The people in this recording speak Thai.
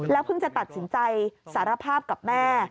เพิ่งจะตัดสินใจสารภาพกับแม่